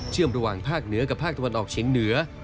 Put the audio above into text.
ระหว่างภาคเหนือกับภาคตะวันออกเฉียงเหนือ